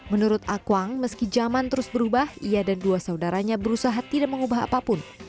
menurut akwang meski zaman terus berubah ia dan dua saudaranya berusaha tidak mengubah apapun